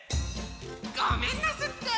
ごめんなすって！